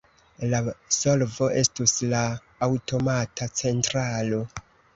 La solvo estus la aŭtomata centralo.